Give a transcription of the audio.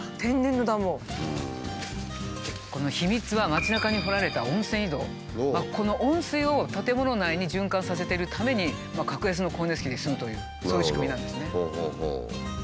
この秘密は町なかに掘られたこの温水を建物内に循環させてるために格安の光熱費で済むというそういう仕組みなんですね。